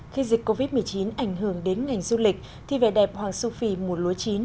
khi dịch covid một mươi chín ảnh hưởng đến ngành du lịch thì vẻ đẹp hoàng su phi mùa lúa chín